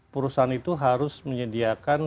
perusahaan itu harus menyediakan